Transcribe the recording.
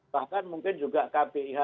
bahkan mungkin juga kpih